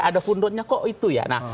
ada pundotnya kok itu ya